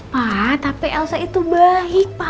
pak tapi elsa itu baik pak